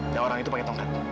dan orang itu pakai tongkat